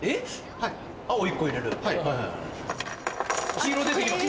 黄色出てきました。